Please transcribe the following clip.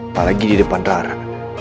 apalagi di depan rara